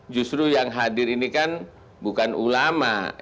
justru yang hadir ini kan bukan ulama